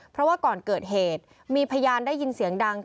เพราะว่าก่อนเกิดเหตุมีพยานได้ยินเสียงดัง